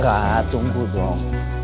ra tunggu dong